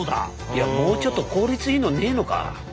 いやもうちょっと効率いいのねえのか？